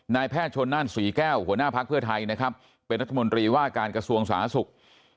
นายแพทย์ชนนั่นศรีแก้วหัวหน้าภักดิ์เพื่อไทยเป็นรัฐมนตรีว่าการกระทรวงสาศุกร์